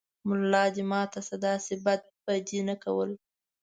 ملا دې ماته شۀ، داسې بد به دې نه کول